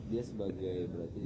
dia sebagai berarti